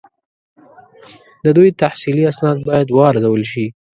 د دوی تحصیلي اسناد باید وارزول شي.